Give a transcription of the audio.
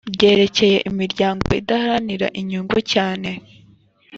ryerekeye imiryango idaharanira inyungu cyane